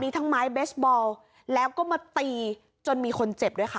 ทั้งไม้เบสบอลแล้วก็มาตีจนมีคนเจ็บด้วยค่ะ